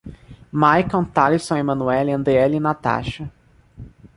Maikon, Talisson, Emanuelle, Andrieli e Natacha